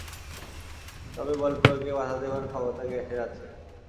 তবে বল প্রয়োগে বাধা দেবার ক্ষমতা গ্যাসের আছে।